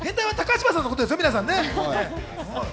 変態は高嶋さんのことですよ、皆さんね。